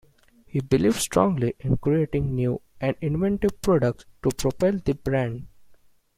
He believed strongly in creating new and inventive products to propel the brand.